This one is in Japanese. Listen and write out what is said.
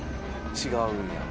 違うんや。